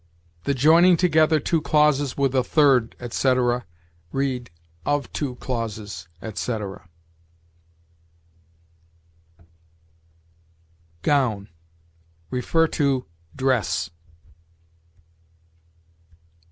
"The joining together two clauses with a third," etc.; read, "of two clauses," etc. GOWN. See DRESS.